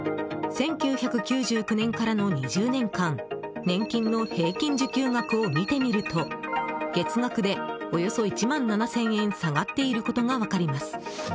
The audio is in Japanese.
１９９９年からの２０年間年金の平均受給額を見てみると月額でおよそ１万７０００円下がっていることが分かります。